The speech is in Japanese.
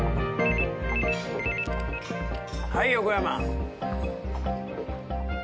はい横山。